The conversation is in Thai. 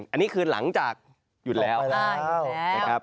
อันนี้คืนหลังจากหยุดแล้วนะครับนะครับตกไปแล้ว